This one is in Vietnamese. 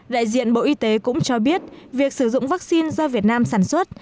đại diện bộ y tế cũng cho biết việc sử dụng vắc xin do việt nam sản xuất